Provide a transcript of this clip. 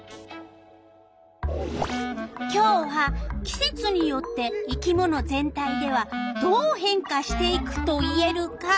今日は「季節によって生き物全体ではどう変化していくと言えるか」